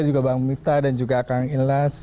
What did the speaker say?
juga bang miftah dan juga kang illas